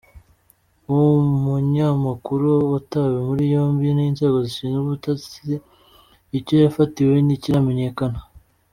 Uwo munyamakuru watawe muri yombi n’inzego zishinzwe ubutasi, icyo yafatiwe ntikiramenyekana.